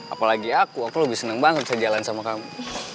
apalagi aku aku lebih senang banget saya jalan sama kamu